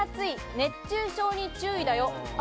熱中症に注意だよ。